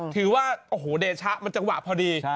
ถือว่าโอ้โหเดชะมันจังหวะพอดี